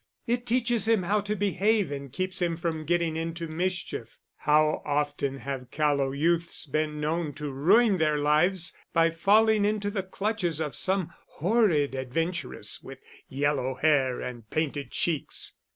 It teaches him how to behave and keeps him from getting into mischief: how often have callow youths been known to ruin their lives by falling into the clutches of some horrid adventuress with yellow hair and painted cheeks!